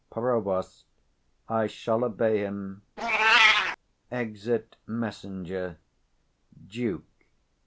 Prov. I shall obey him. [Exit Messenger. _Duke.